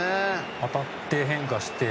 当たって、変化して。